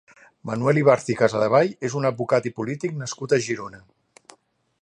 Manuel Ibarz i Casadevall és un advocat i polític nascut a Girona.